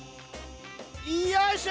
よいしょ！